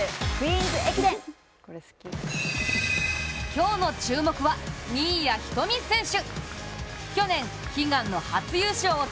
今日の注目は、新谷仁美選手。